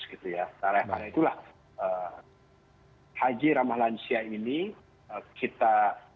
karena itulah haji ramah lansia ini kita